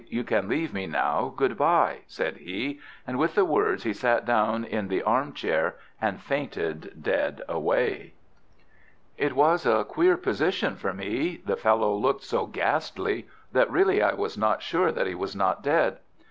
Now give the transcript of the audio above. You can leave me now! Good bye!" said he, and with the words he sat down in the arm chair and fainted dead away. It was a queer position for me. The fellow looked so ghastly, that really I was not sure that he was not dead.